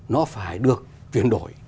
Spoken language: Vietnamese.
nó phải được chuyển đổi